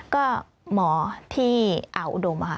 ก็หมอที่เอาอุดมค่ะ